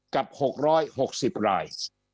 กับ๖๖๐ราย